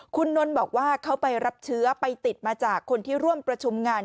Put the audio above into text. คุณนนท์บอกว่าเขาไปรับเชื้อไปติดมาจากคนที่ร่วมประชุมงาน